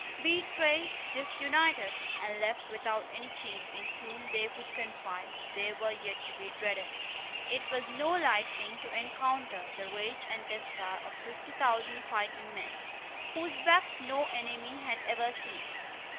Betrayed, disunited, and left without any chief in whom they could confide, they were yet to be dreaded. It was no light thing to encounter the rage and despair of fifty thousand fighting men, whose backs no enemy had ever seen.